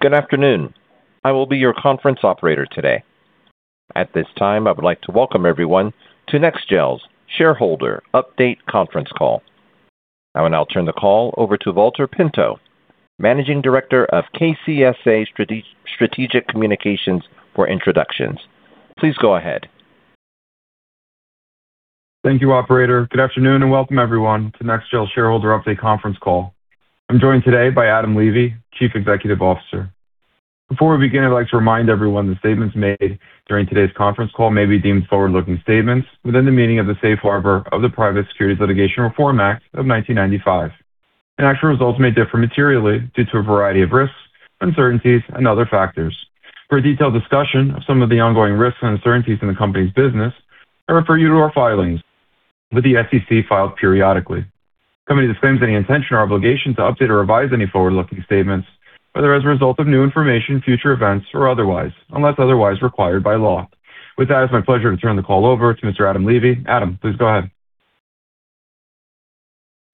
Good afternoon. I will be your conference operator today. At this time, I would like to welcome everyone to NEXGEL's Shareholder Update Conference Call. I will now turn the call over to Valter Pinto, Managing Director of KCSA Strategic Communications for introductions. Please go ahead. Thank you, operator. Good afternoon, and welcome everyone to NEXGEL's Shareholder Update Conference Call. I'm joined today by Adam Levy, Chief Executive Officer. Before we begin, I'd like to remind everyone that statements made during today's conference call may be deemed forward-looking statements within the meaning of the safe harbor of the Private Securities Litigation Reform Act of 1995, and actual results may differ materially due to a variety of risks, uncertainties, and other factors. For a detailed discussion of some of the ongoing risks and uncertainties in the company's business, I refer you to our filings with the SEC filed periodically. The company disclaims any intention or obligation to update or revise any forward-looking statements, whether as a result of new information, future events, or otherwise, unless otherwise required by law. With that, it's my pleasure to turn the call over to Mr. Adam Levy. Adam, please go ahead.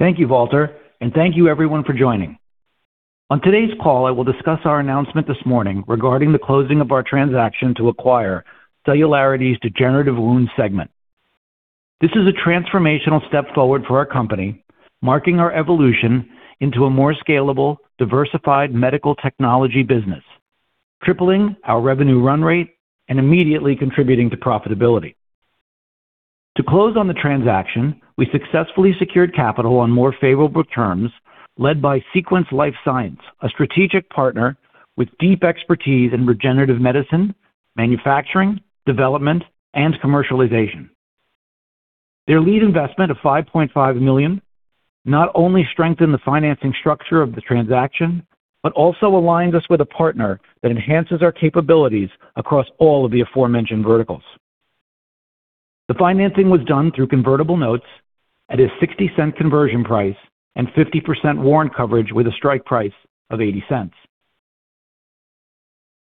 Thank you, Valter, and thank you everyone for joining. On today's call, I will discuss our announcement this morning regarding the closing of our transaction to acquire Celularity's Degenerative Wound segment. This is a transformational step forward for our company, marking our evolution into a more scalable, diversified medical technology business, tripling our revenue run rate and immediately contributing to profitability. To close on the transaction, we successfully secured capital on more favorable terms led by Sequence LifeScience, a strategic partner with deep expertise in regenerative medicine, manufacturing, development, and commercialization. Their lead investment of $5.5 million not only strengthened the financing structure of the transaction but also aligns us with a partner that enhances our capabilities across all of the aforementioned verticals. The financing was done through convertible notes at a $0.60 conversion price and 50% warrant coverage with a strike price of $0.80.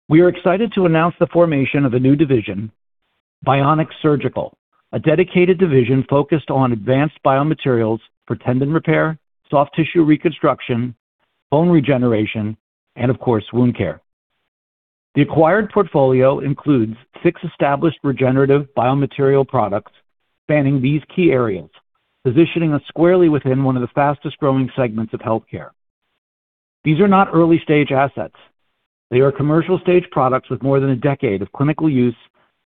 We are excited to announce the formation of a new division, BioNX Surgical, a dedicated division focused on advanced biomaterials for tendon repair, soft tissue reconstruction, bone regeneration, and, of course, wound care. The acquired portfolio includes six established regenerative biomaterial products spanning these key areas, positioning us squarely within one of the fastest-growing segments of healthcare. These are not early-stage assets. They are commercial-stage products with more than a decade of clinical use,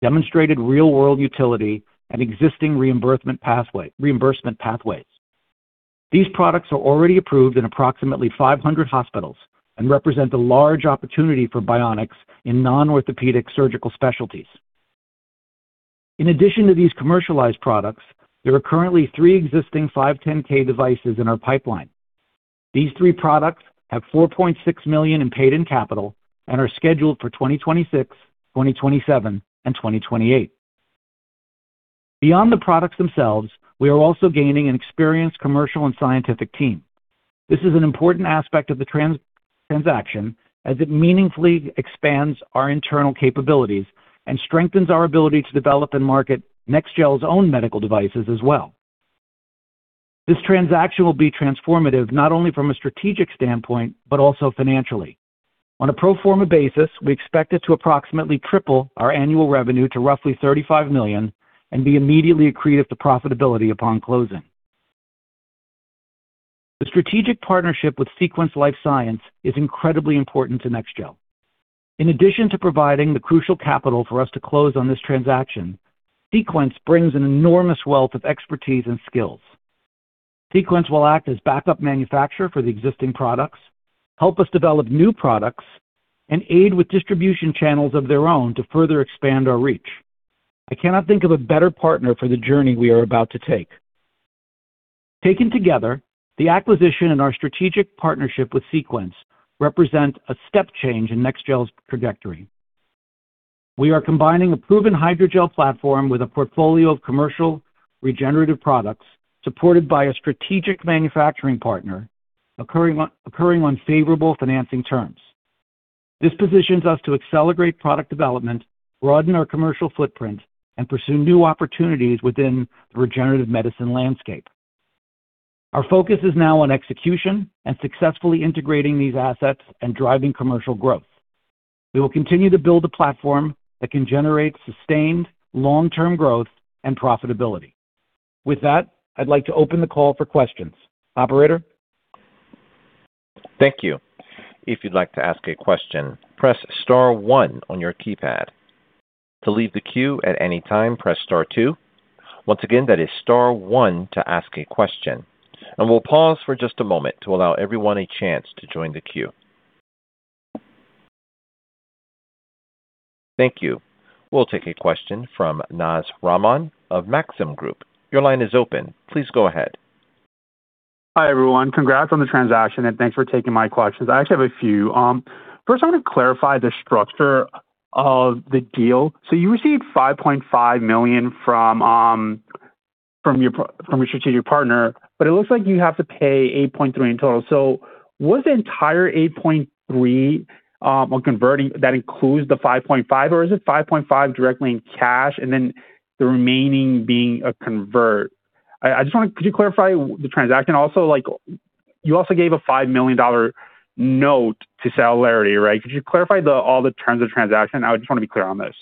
demonstrated real-world utility, and existing reimbursement pathways. These products are already approved in approximately 500 hospitals and represent a large opportunity for BioNX in non-orthopedic surgical specialties. In addition to these commercialized products, there are currently three existing 510(k) devices in our pipeline. These three products have $4.6 million in paid-in capital and are scheduled for 2026, 2027, and 2028. Beyond the products themselves, we are also gaining an experienced commercial and scientific team. This is an important aspect of the transaction as it meaningfully expands our internal capabilities and strengthens our ability to develop and market NEXGEL's own medical devices as well. This transaction will be transformative not only from a strategic standpoint but also financially. On a pro forma basis, we expect it to approximately triple our annual revenue to roughly $35 million and be immediately accretive to profitability upon closing. The strategic partnership with Sequence LifeScience is incredibly important to NEXGEL. In addition to providing the crucial capital for us to close on this transaction, Sequence brings an enormous wealth of expertise and skills. Sequence will act as backup manufacturer for the existing products, help us develop new products, and aid with distribution channels of their own to further expand our reach. I cannot think of a better partner for the journey we are about to take. Taken together, the acquisition and our strategic partnership with Sequence represent a step change in NEXGEL's trajectory. We are combining a proven hydrogel platform with a portfolio of commercial regenerative products supported by a strategic manufacturing partner occurring on favorable financing terms. This positions us to accelerate product development, broaden our commercial footprint, and pursue new opportunities within the regenerative medicine landscape. Our focus is now on execution and successfully integrating these assets and driving commercial growth. We will continue to build a platform that can generate sustained long-term growth and profitability. With that, I'd like to open the call for questions. Operator? Thank you. If you'd like to ask a question, press star one on your keypad. To leave the queue at any time, press star two. Once again, that is star one to ask a question. We'll pause for just a moment to allow everyone a chance to join the queue. Thank you. We'll take a question from Naz Rahman of Maxim Group. Your line is open. Please go ahead. Hi, everyone. Congrats on the transaction, and thanks for taking my questions. I actually have a few. First, I want to clarify the structure of the deal. You received $5.5 million from your strategic partner, but it looks like you have to pay $8.3 million in total. Was the entire $8.3 million that includes the $5.5 million, or is it $5.5 million directly in cash and then the remaining being a convert? I just want to, could you clarify the transaction also? You also gave a $5 million note to Celularity, right? Could you clarify all the terms of transaction? I just want to be clear on this.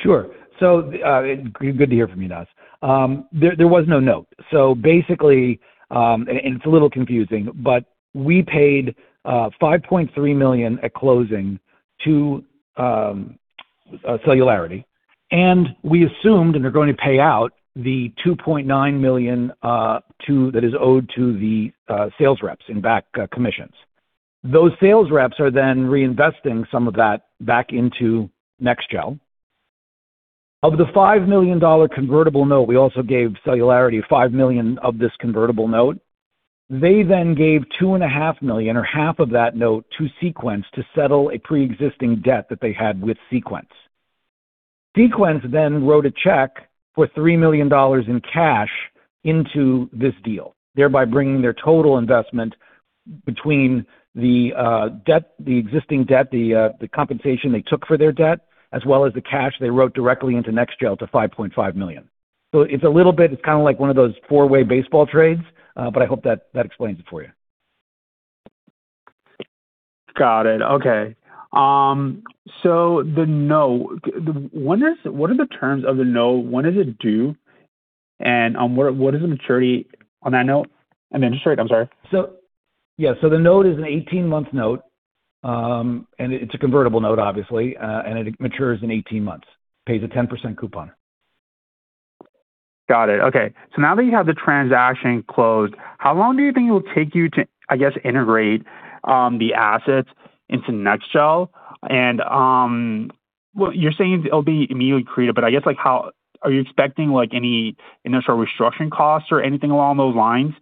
Sure. Good to hear from you, Naz. There was no note. Basically, and it's a little confusing, but we paid $5.3 million at closing to Celularity, and we assumed, and they're going to pay out the $2.9 million, that is owed to the sales reps in back commissions. Those sales reps are then reinvesting some of that back into NEXGEL. Of the $5 million convertible note, we also gave Celularity $5 million of this convertible note. They then gave $2.5 million or half of that note to Sequence to settle a preexisting debt that they had with Sequence. Sequence wrote a check for $3 million in cash into this deal, thereby bringing their total investment between the existing debt, the compensation they took for their debt, as well as the cash they wrote directly into NEXGEL to $5.5 million. It's a little bit, it's kind of like one of those four-way baseball trades, but I hope that explains it for you. Got it. Okay. The note, what are the terms of the note? When is it due? What is the maturity on that note? I mean, interest rate, I'm sorry. Yeah. The note is an 18-month note, and it's a convertible note, obviously, and it matures in 18 months, pays a 10% coupon. Got it. Okay. Now that you have the transaction closed, how long do you think it will take you to, I guess, integrate the assets into NEXGEL? Well, you're saying it'll be immediately accretive, but I guess, are you expecting any initial restructuring costs or anything along those lines?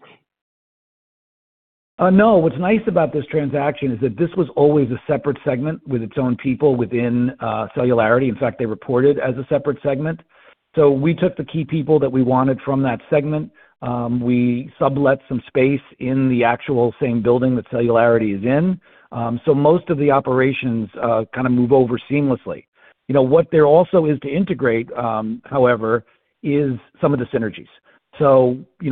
No. What's nice about this transaction is that this was always a separate segment with its own people within Celularity. In fact, they reported as a separate segment. We took the key people that we wanted from that segment. We sublet some space in the actual same building that Celularity is in. Most of the operations kind of move over seamlessly. What there also is to integrate, however, is some of the synergies.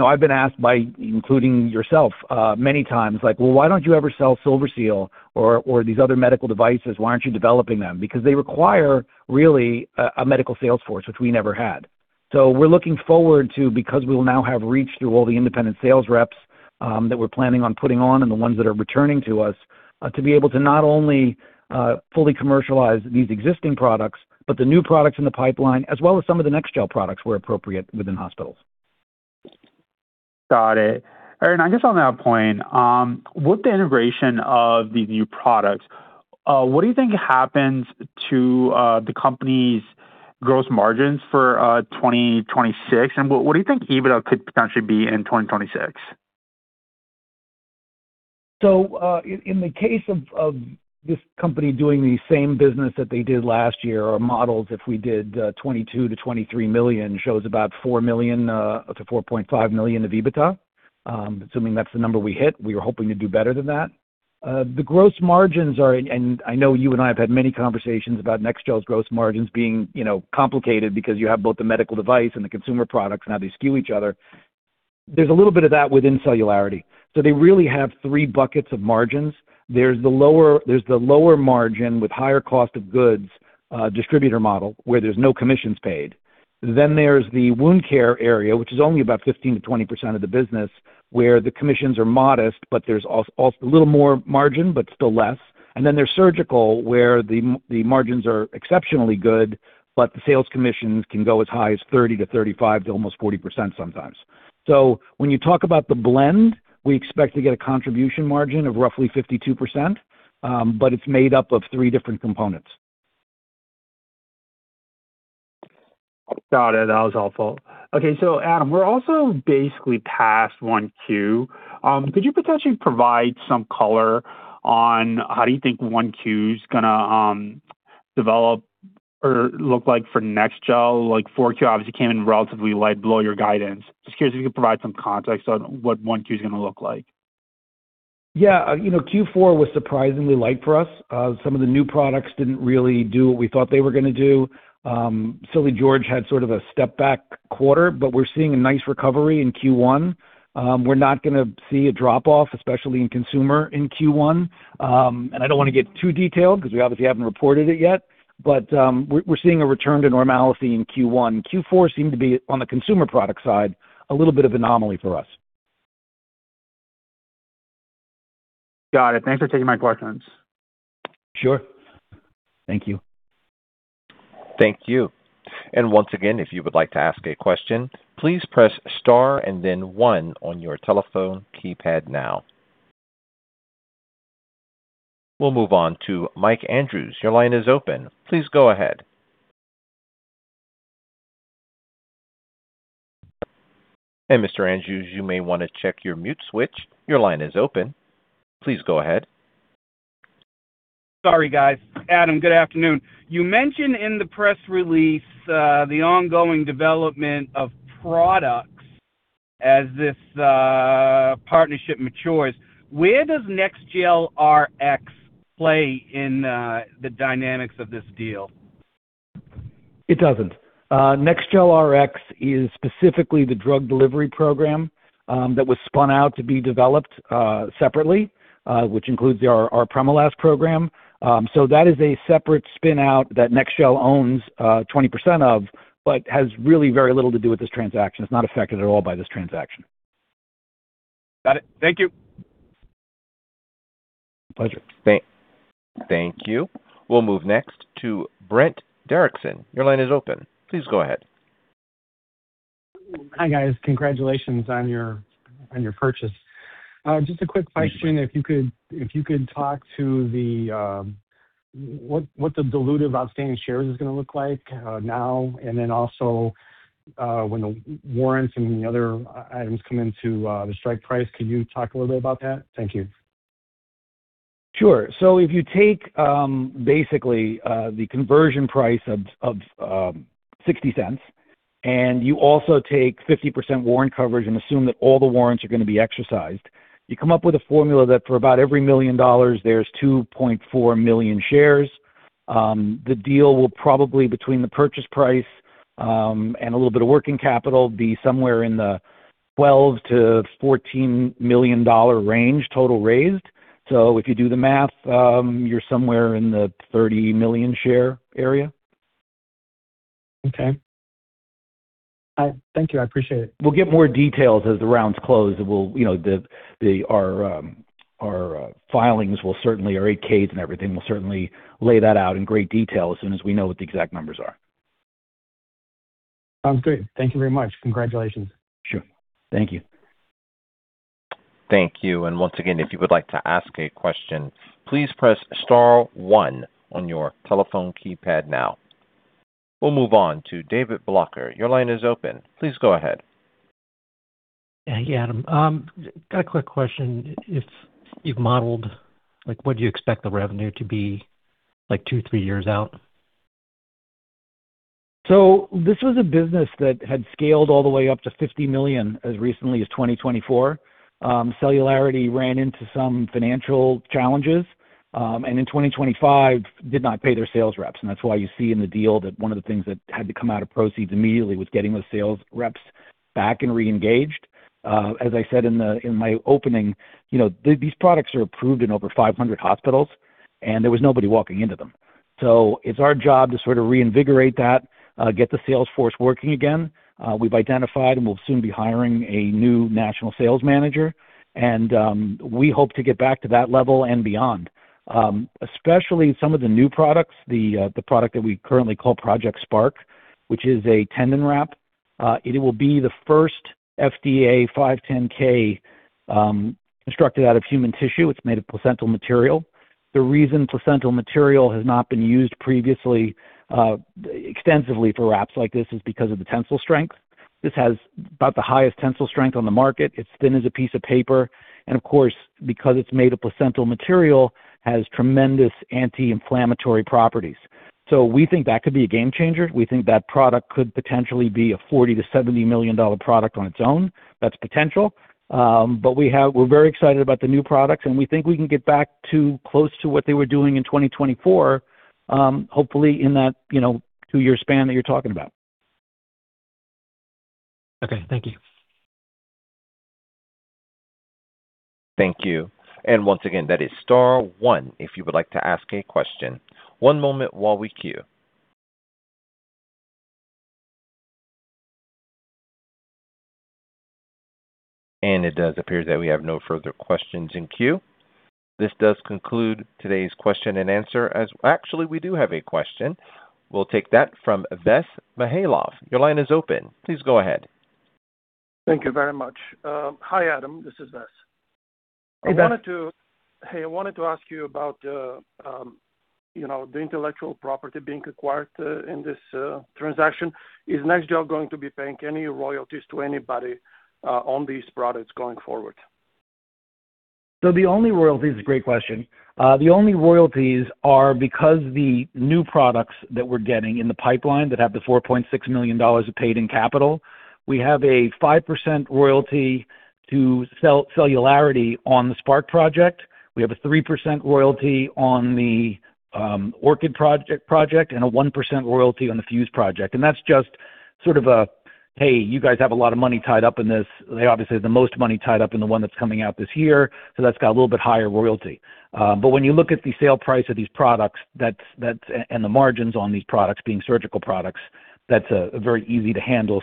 I've been asked by, including yourself, many times, like, "Well, why don't you ever sell SilverSeal or these other medical devices? Why aren't you developing them?" Because they require, really, a medical sales force, which we never had. We're looking forward to, because we will now have reach through all the independent sales reps that we're planning on putting on, and the ones that are returning to us, to be able to not only fully commercialize these existing products, but the new products in the pipeline, as well as some of the NEXGEL products where appropriate within hospitals. Got it. Adam, I guess on that point, with the integration of these new products, what do you think happens to the company's gross margins for 2026, and what do you think EBITDA could potentially be in 2026? In the case of this company doing the same business that they did last year, our models, if we did $22 million-$23 million, shows about $4 million-$4.5 million of EBITDA, assuming that's the number we hit. We were hoping to do better than that. The gross margins are, and I know you and I have had many conversations about NEXGEL's gross margins being complicated because you have both the medical device and the consumer products and how they skew each other. There's a little bit of that within Celularity. They really have three buckets of margins. There's the lower margin with higher cost of goods, distributor model, where there's no commissions paid. There's the wound care area, which is only about 15%-20% of the business, where the commissions are modest, but there's also a little more margin, but still less. There's surgical, where the margins are exceptionally good, but the sales commissions can go as high as 30%-35% to almost 40% sometimes. When you talk about the blend, we expect to get a contribution margin of roughly 52%, but it's made up of three different components. Got it. That was all folks. Okay, Adam, we're also basically past 1Q. Could you potentially provide some color on how do you think 1Q's going to develop or look like for NEXGEL? Like 4Q obviously came in relatively light below your guidance. Just curious if you could provide some context on what 1Q is going to look like. Yeah. Q4 was surprisingly light for us. Some of the new products didn't really do what we thought they were going to do. Silly George had sort of a step-back quarter, but we're seeing a nice recovery in Q1. We're not going to see a drop-off, especially in consumer in Q1. I don't want to get too detailed because we obviously haven't reported it yet. We're seeing a return to normality in Q1. Q4 seemed to be, on the consumer product side, a little bit of an anomaly for us. Got it. Thanks for taking my questions. Sure. Thank you. Thank you. And once again, if you would like to ask a question, please press star and then one on your telephone keypad now. We'll move on to Mike Andrews. Your line is open. Please go ahead. Hey, Mr. Andrews, you may want to check your mute switch. Your line is open. Please go ahead. Sorry, guys. Adam, good afternoon. You mentioned in the press release the ongoing development of products As this partnership matures, where does NexGelRx play in the dynamics of this deal? It doesn't. NexGelRx is specifically the drug delivery program that was spun out to be developed separately, which includes our Promelas program. That is a separate spin-out that NEXGEL owns 20% of, but has really very little to do with this transaction. It's not affected at all by this transaction. Got it. Thank you. Pleasure. Thank you. We'll move next to Brent Derrickson. Your line is open. Please go ahead. Hi, guys. Congratulations on your purchase. Just a quick question, if you could talk to what the dilutive outstanding shares is going to look like now, and then also when the warrants and the other items come into the strike price, can you talk a little bit about that? Thank you. Sure. If you take, basically, the conversion price of $0.60 and you also take 50% warrant coverage and assume that all the warrants are going to be exercised, you come up with a formula that for about every $1 million, there's 2.4 million shares. The deal will probably, between the purchase price and a little bit of working capital, be somewhere in the $12-$14 million range total raised. If you do the math, you're somewhere in the 30 million share area. Okay. All right. Thank you. I appreciate it. We'll get more details as the rounds close. Our filings, our 8-Ks and everything, will certainly lay that out in great detail as soon as we know what the exact numbers are. Sounds great. Thank you very much. Congratulations. Sure. Thank you. Thank you. Once again, if you would like to ask a question, please press star one on your telephone keypad now. We'll move on to David Blocker. Your line is open. Please go ahead. Hey, Adam. Got a quick question. If you've modeled, what do you expect the revenue to be two to three years out? This was a business that had scaled all the way up to $50 million as recently as 2024. Celularity ran into some financial challenges, and in 2025 did not pay their sales reps. That's why you see in the deal that one of the things that had to come out of proceeds immediately was getting those sales reps back and reengaged. As I said in my opening, these products are approved in over 500 hospitals and there was nobody walking into them. It's our job to sort of reinvigorate that, get the sales force working again. We've identified and we'll soon be hiring a new national sales manager. We hope to get back to that level and beyond. Especially some of the new products, the product that we currently call Project Spark, which is a tendon wrap. It will be the first FDA 510(k) constructed out of human tissue. It's made of placental material. The reason placental material has not been used previously extensively for wraps like this is because of the tensile strength. This has about the highest tensile strength on the market. It's thin as a piece of paper. Of course, because it's made of placental material, has tremendous anti-inflammatory properties. We think that could be a game changer. We think that product could potentially be a $40-$70 million product on its own. That's potential. We're very excited about the new products, and we think we can get back to close to what they were doing in 2024, hopefully in that two-year span that you're talking about. Okay. Thank you. Thank you. Once again, that is star one if you would like to ask a question. One moment while we queue. It does appear that we have no further questions in queue. This does conclude today's question and answer. Actually, we do have a question. We'll take that from Vess Mihailov. Your line is open. Please go ahead. Thank you very much. Hi, Adam. This is Vess. Hey, Vess. Hey, I wanted to ask you about the intellectual property being acquired in this transaction. Is NEXGEL going to be paying any royalties to anybody on these products going forward? This is a great question. The only royalties are because the new products that we're getting in the pipeline that have the $4.6 million of paid-in capital, we have a 5% royalty to Celularity on the SPARK project. We have a 3% royalty on the ORCHID project, and a 1% royalty on the FUSE project. That's just sort of a, "Hey, you guys have a lot of money tied up in this." They obviously have the most money tied up in the one that's coming out this year, so that's got a little bit higher royalty. When you look at the sale price of these products and the margins on these products being surgical products, that's a very easy to handle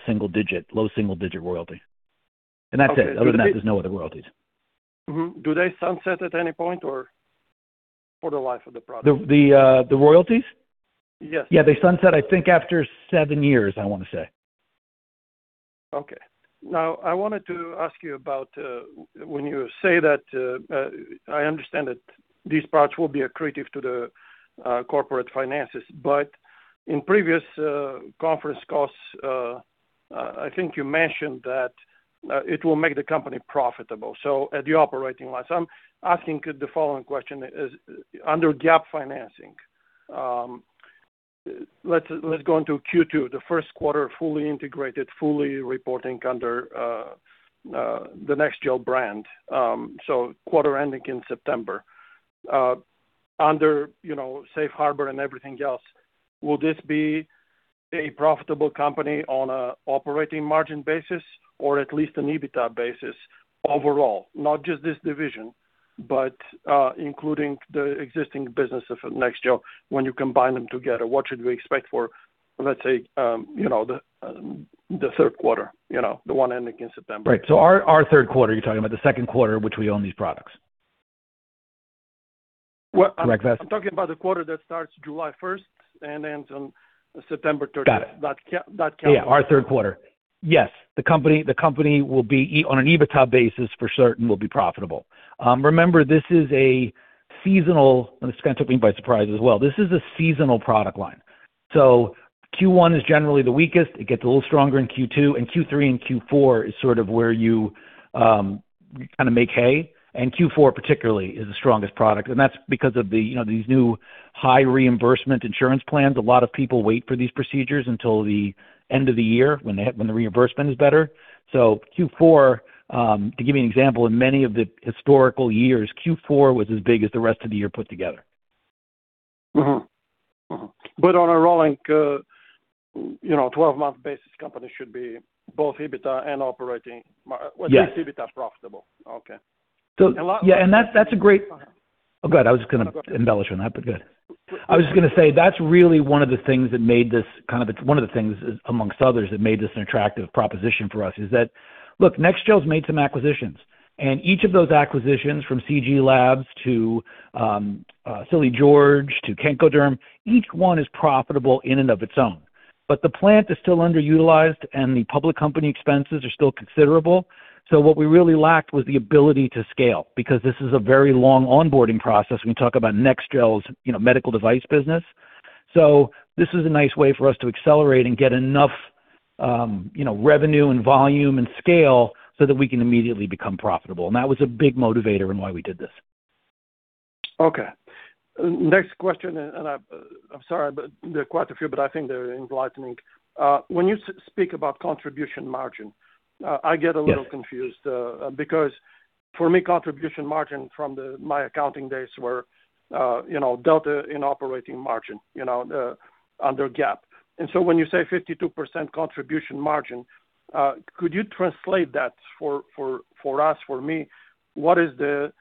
low single-digit royalty. That's it. Other than that, there's no other royalties. Do they sunset at any point, or for the life of the product? The royalties? Yes. Yeah, they sunset, I think, after seven years, I want to say. Okay. Now, I wanted to ask you about when you say that. I understand that these products will be accretive to the corporate finances, but in previous conference calls, I think you mentioned that it will make the company profitable at the operating line. I'm asking the following question, under GAAP. Let's go into Q2, the first quarter, fully integrated, fully reporting under the NEXGEL brand, so quarter ending in September. Under safe harbor and everything else, will this be a profitable company on an operating margin basis or at least an EBITDA basis overall? Not just this division, but including the existing business of NEXGEL when you combine them together. What should we expect for, let's say, the third quarter, the one ending in September? Right. Our third quarter, you're talking about the second quarter, which we own these products? Well, I'm Correct, Vess? I'm talking about the quarter that starts July 1st and ends on September 30th. Got it. That calendar. Yeah. Our third quarter. Yes. The company will be, on an EBITDA basis for certain, will be profitable. Remember, this is a seasonal, and this kind of took me by surprise as well. This is a seasonal product line. Q1 is generally the weakest. It gets a little stronger in Q2, and Q3 and Q4 is sort of where you kind of make hay. Q4 particularly is the strongest product, and that's because of these new high reimbursement insurance plans. A lot of people wait for these procedures until the end of the year when the reimbursement is better. Q4, to give you an example, in many of the historical years, Q4 was as big as the rest of the year put together. On a rolling 12-month basis, companies should be both EBITDA and operating mar- Yes. At least EBITDA profitable. Okay. Yeah, that's a great. Oh, go ahead. I was going to embellish on that, but go ahead. I was just going to say, that's really one of the things that made this kind of, it's one of the things amongst others that made this an attractive proposition for us is that, look, NEXGEL's made some acquisitions. Each of those acquisitions, from CG Labs to Silly George to Kenkoderm, each one is profitable in and of its own. The plant is still underutilized, and the public company expenses are still considerable. What we really lacked was the ability to scale, because this is a very long onboarding process. We talk about NEXGEL's medical device business. This is a nice way for us to accelerate and get enough revenue and volume and scale so that we can immediately become profitable. That was a big motivator in why we did this. Okay. Next question, and I'm sorry, but there are quite a few, but I think they're enlightening. When you speak about contribution margin, I get a little. Yes I'm confused, because for me, contribution margin from my accounting days were delta in operating margin under GAAP. When you say 52% contribution margin, could you translate that for us, for me? What is the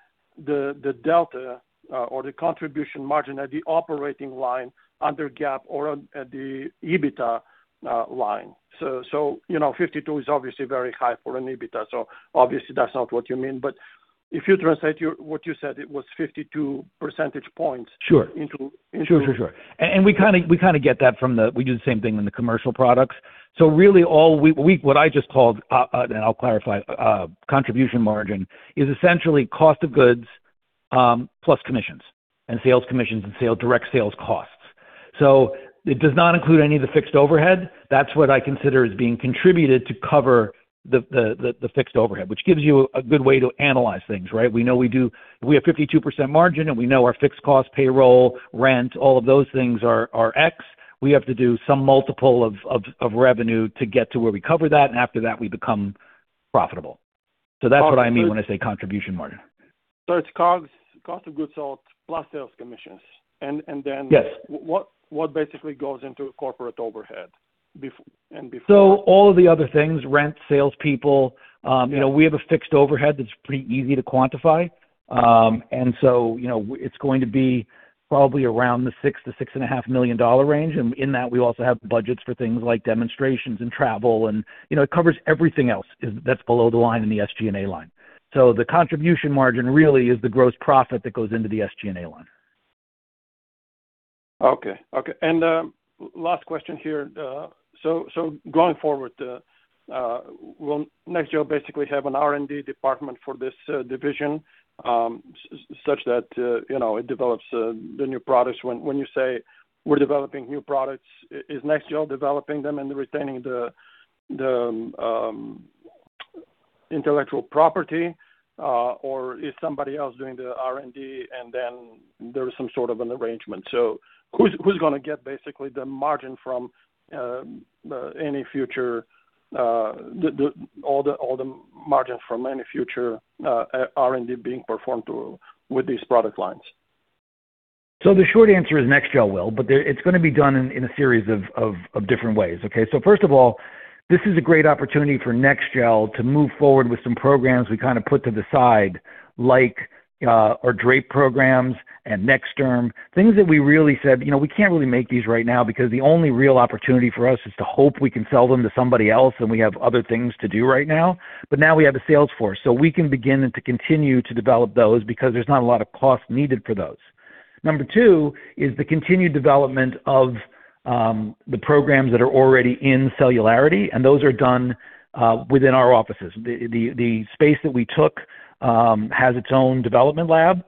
delta or the contribution margin at the operating line under GAAP or at the EBITDA line? 52 is obviously very high for an EBITDA, so obviously that's not what you mean. If you translate what you said, it was 52 percentage points. Sure. Into- Sure. We kind of get that from the, we do the same thing in the commercial products. Really all, what I just called, and I'll clarify, contribution margin is essentially cost of goods, plus commissions and sales commissions and direct sales costs. It does not include any of the fixed overhead. That's what I consider is being contributed to cover the fixed overhead, which gives you a good way to analyze things, right? We know we have 52% margin, and we know our fixed costs, payroll, rent, all of those things are X. We have to do some multiple of revenue to get to where we cover that, and after that, we become profitable. That's what I mean when I say contribution margin. It's COGS, cost of goods sold, plus sales commissions. Yes What basically goes into corporate overhead and before? All of the other things, rent, salespeople. We have a fixed overhead that's pretty easy to quantify. It's going to be probably around the $6-$6.5 million range. In that, we also have budgets for things like demonstrations and travel, and it covers everything else that's below the line in the SG&A line. The contribution margin really is the gross profit that goes into the SG&A line. Okay. Last question here. Going forward, will NEXGEL basically have an R&D department for this division, such that it develops the new products? When you say we're developing new products, is NEXGEL developing them and retaining the intellectual property? Or is somebody else doing the R&D and then there is some sort of an arrangement? Who's going to get basically the margin from any future, all the margins from any future R&D being performed with these product lines? The short answer is NEXGEL will, but it's going to be done in a series of different ways. Okay? First of all, this is a great opportunity for NEXGEL to move forward with some programs we kind of put to the side, like our drape programs and NexDerm. Things that we really said, "We can't really make these right now because the only real opportunity for us is to hope we can sell them to somebody else, and we have other things to do right now." But now we have a sales force, so we can begin to continue to develop those because there's not a lot of cost needed for those. Number two is the continued development of the programs that are already in Celularity, and those are done within our offices. The space that we took has its own development lab.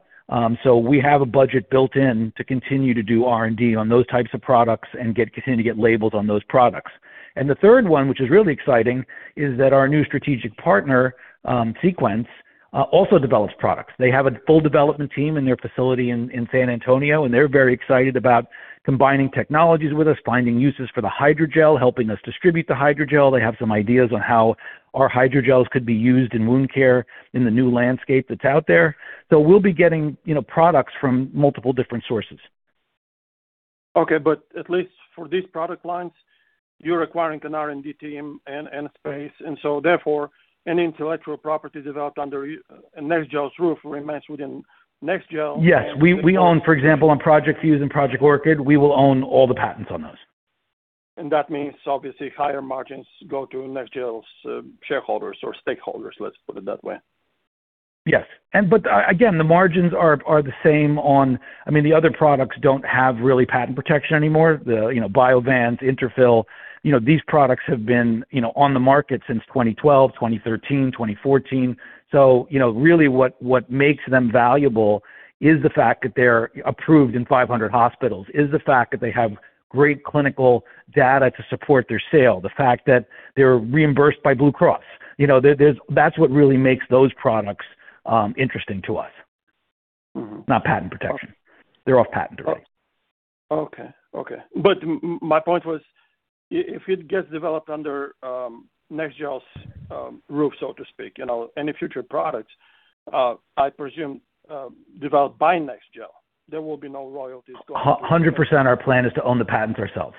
We have a budget built in to continue to do R&D on those types of products and continue to get labels on those products. The third one, which is really exciting, is that our new strategic partner, Sequence, also develops products. They have a full development team in their facility in San Antonio, and they're very excited about combining technologies with us, finding uses for the hydrogel, helping us distribute the hydrogel. They have some ideas on how our hydrogels could be used in wound care in the new landscape that's out there. We'll be getting products from multiple different sources. Okay. At least for these product lines, you're acquiring an R&D team and a space, and so therefore, any intellectual property developed under NEXGEL's roof remains within NEXGEL. Yes. We own, for example, on Project FUSE and Project ORCHID, we will own all the patents on those. That means obviously higher margins go to NEXGEL's shareholders or stakeholders, let's put it that way. Yes. Again, the margins are the same. The other products don't have real patent protection anymore. The Biovance, Interfyl, these products have been on the market since 2012, 2013, 2014. Really what makes them valuable is the fact that they're approved in 500 hospitals, is the fact that they have great clinical data to support their sale, the fact that they're reimbursed by Blue Cross. That's what really makes those products interesting to us. Mm-hmm. Not patent protection. They're off patent already. Okay. My point was, if it gets developed under NEXGEL's roof, so to speak, any future products, I presume, developed by NEXGEL, there will be no royalties going to 100%, our plan is to own the patents ourselves.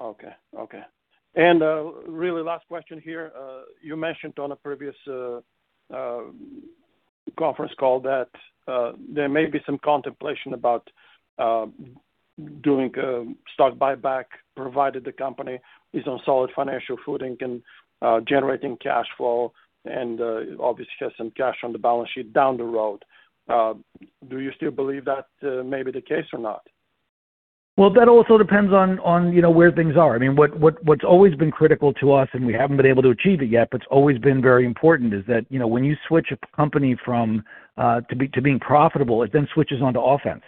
Okay. Really last question here. You mentioned on a previous conference call that there may be some contemplation about doing a stock buyback, provided the company is on solid financial footing and generating cash flow and obviously has some cash on the balance sheet down the road. Do you still believe that may be the case or not? Well, that also depends on where things are. What's always been critical to us, and we haven't been able to achieve it yet, but it's always been very important, is that when you switch a company to being profitable, it then switches on to offense.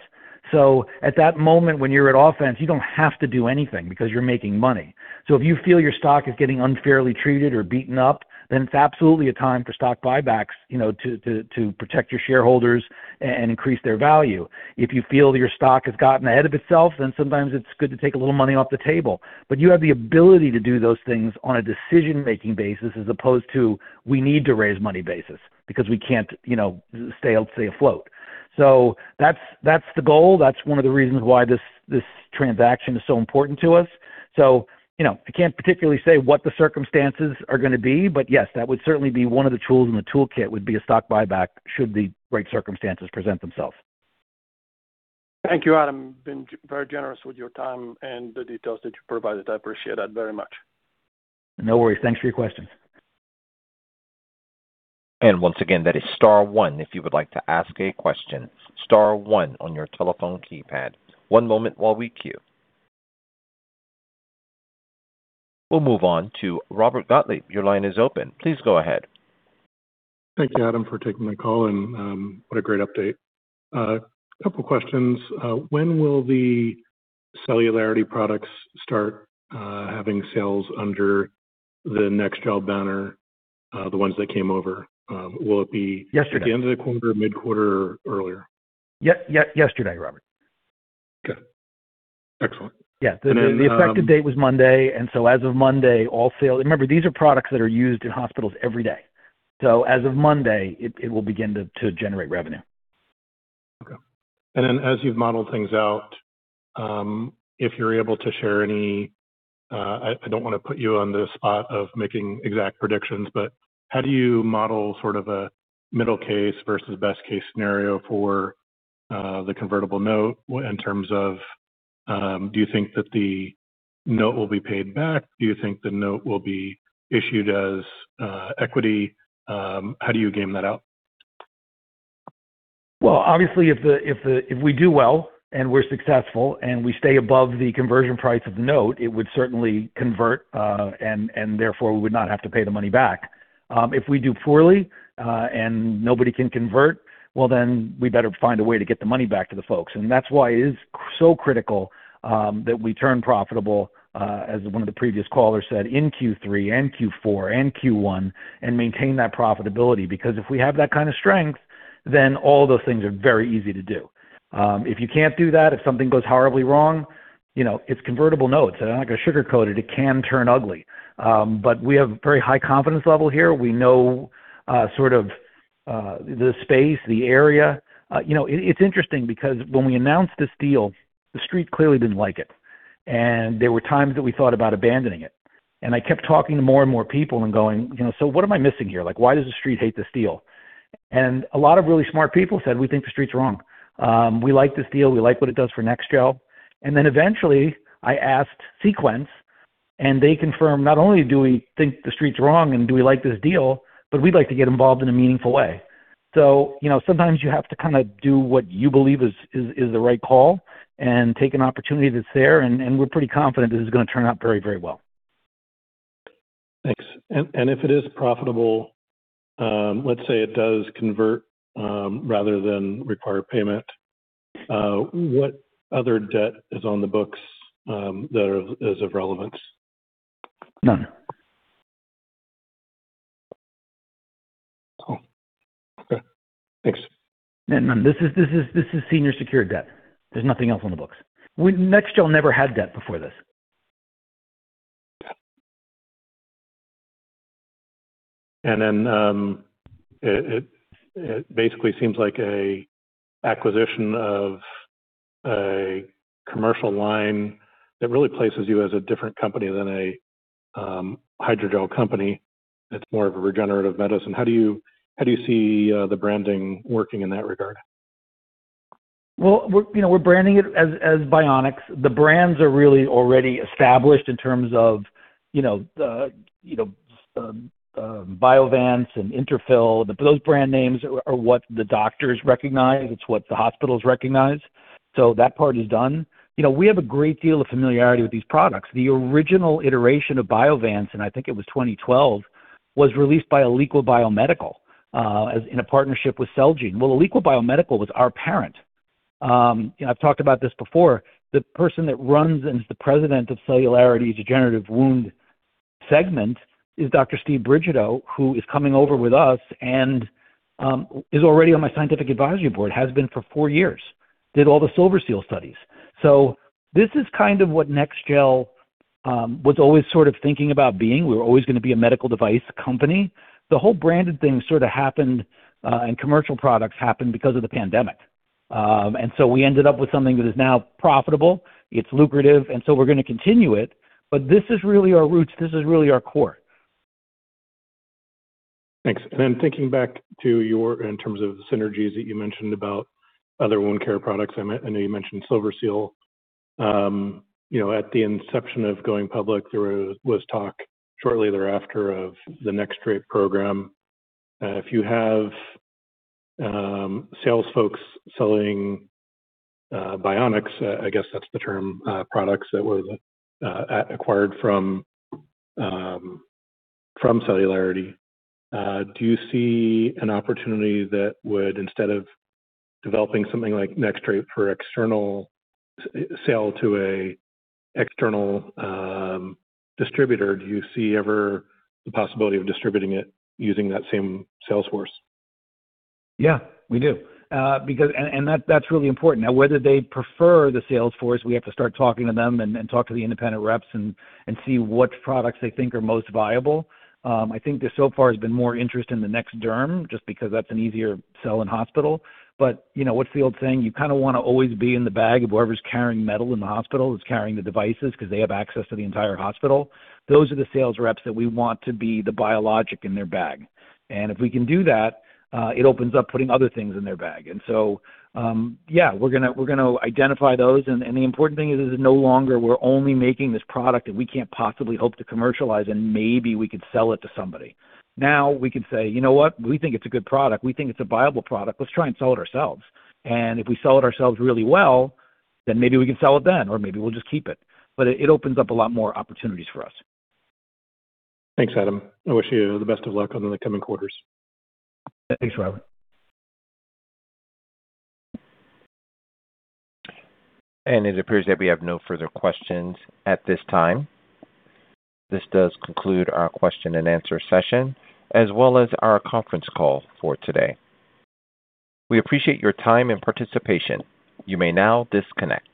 At that moment, when you're at offense, you don't have to do anything because you're making money. If you feel your stock is getting unfairly treated or beaten up, then it's absolutely a time for stock buybacks to protect your shareholders and increase their value. If you feel your stock has gotten ahead of itself, then sometimes it's good to take a little money off the table. You have the ability to do those things on a decision-making basis as opposed to, we need to raise money basis because we can't stay afloat. That's the goal. That's one of the reasons why this transaction is so important to us. I can't particularly say what the circumstances are going to be, but yes, that would certainly be one of the tools in the toolkit would be a stock buyback should the right circumstances present themselves. Thank you, Adam. You've been very generous with your time and the details that you provided. I appreciate that very much. No worries. Thanks for your questions. Once again, that is star one if you would like to ask a question. Star one on your telephone keypad. One moment while we queue. We'll move on to Robert Gottlieb. Your line is open. Please go ahead. Thank you, Adam, for taking my call, and what a great update. A couple questions. When will the Celularity products start having sales under the NEXGEL banner, the ones that came over? Will it be- Yesterday At the end of the quarter, mid-quarter, or earlier? Yesterday, Robert. Okay. Excellent. Yeah. And then- The effective date was Monday, and so as of Monday, all sales. Remember, these are products that are used in hospitals every day. As of Monday, it will begin to generate revenue. Okay. As you've modeled things out, if you're able to share any, I don't want to put you on the spot of making exact predictions, but how do you model sort of a middle case versus best case scenario for the convertible note in terms of, do you think that the note will be paid back? Do you think the note will be issued as equity? How do you game that out? Well, obviously if we do well and we're successful and we stay above the conversion price of the note, it would certainly convert, and therefore, we would not have to pay the money back. If we do poorly and nobody can convert, well, then we better find a way to get the money back to the folks. That's why it is so critical that we turn profitable, as one of the previous callers said, in Q3 and Q4 and Q1, and maintain that profitability. Because if we have that kind of strength, then all those things are very easy to do. If you can't do that, if something goes horribly wrong, it's convertible notes, and I'm not going to sugarcoat it can turn ugly. We have a very high confidence level here. We know sort of the space, the area. It's interesting because when we announced this deal, the Street clearly didn't like it. There were times that we thought about abandoning it. I kept talking to more and more people and going, "So what am I missing here? Why does the Street hate this deal?" A lot of really smart people said, "We think the Street's wrong. We like this deal. We like what it does for NEXGEL." Eventually I asked Sequence, and they confirmed, "Not only do we think the Street's wrong and do we like this deal, but we'd like to get involved in a meaningful way." Sometimes you have to kind of do what you believe is the right call and take an opportunity that's there, and we're pretty confident this is going to turn out very, very well. Thanks. If it is profitable, let's say it does convert rather than require payment, what other debt is on the books that is of relevance? None. Oh, okay. Thanks. No, this is senior secured debt. There's nothing else on the books. NEXGEL never had debt before this. It basically seems like an acquisition of a commercial line that really places you as a different company than a hydrogel company that's more of a regenerative medicine. How do you see the branding working in that regard? Well, we're branding it as BioNX. The brands are really already established in terms of Biovance and Interfyl. Those brand names are what the doctors recognize, it's what the hospitals recognize. That part is done. We have a great deal of familiarity with these products. The original iteration of Biovance, and I think it was 2012, was released by Alliqua BioMedical, in a partnership with Celgene. Well, Alliqua BioMedical was our parent. I've talked about this before. The person that runs and is the president of Celularity's regenerative wound segment is Dr. Stephen Brigido, who is coming over with us and is already on my scientific advisory board, has been for four years, did all the SilverSeal studies. This is kind of what NEXGEL was always sort of thinking about being. We were always going to be a medical device company. The whole branded thing sort of happened, and commercial products happened because of the pandemic. We ended up with something that is now profitable, it's lucrative, and so we're going to continue it. This is really our roots. This is really our core. Thanks. Thinking back to your, in terms of synergies that you mentioned about other wound care products, I know you mentioned SilverSeal. At the inception of going public, there was talk shortly thereafter of the NexTrae program. If you have sales folks selling BioNX, I guess that's the term, products that were acquired from Celularity, do you see an opportunity that would, instead of developing something like NexTrae for external sale to a external distributor, do you see ever the possibility of distributing it using that same sales force? Yeah, we do. That's really important. Now, whether they prefer the sales force, we have to start talking to them and talk to the independent reps and see what products they think are most viable. I think there so far has been more interest in the NexDerm, just because that's an easier sell in hospital. What Field's saying, you kind of want to always be in the bag of whoever's carrying metal in the hospital, is carrying the devices, because they have access to the entire hospital. Those are the sales reps that we want to be the biologic in their bag. If we can do that, it opens up putting other things in their bag. Yeah, we're going to identify those, and the important thing is, no longer we're only making this product that we can't possibly hope to commercialize, and maybe we could sell it to somebody. Now, we can say, "You know what? We think it's a good product. We think it's a viable product. Let's try and sell it ourselves." If we sell it ourselves really well, then maybe we can sell it then, or maybe we'll just keep it. It opens up a lot more opportunities for us. Thanks, Adam. I wish you the best of luck on the coming quarters. Thanks, Robert. It appears that we have no further questions at this time. This does conclude our question and answer session, as well as our conference call for today. We appreciate your time and participation. You may now disconnect.